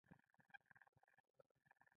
احمده! زه د مڼو په سوداګرۍ کې زهره ترکی شوم.